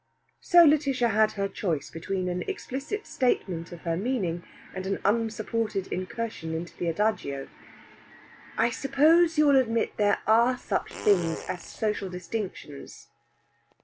So Lætitia had her choice between an explicit statement of her meaning, and an unsupported incursion into the adagio. "I suppose you'll admit there are such things as social distinctions?"